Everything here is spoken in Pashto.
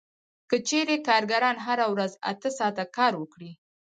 که چېرې کارګران هره ورځ اته ساعته کار وکړي